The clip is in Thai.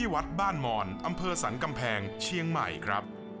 วัดบ้านหมอนอำเภอสรรกำแพงเชียงใหม่ครับ